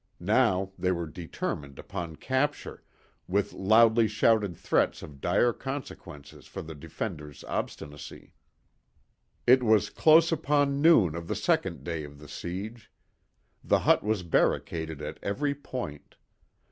Now they were determined upon capture, with loudly shouted threats of dire consequences for the defenders' obstinacy. It was close upon noon of the second day of the siege. The hut was barricaded at every point.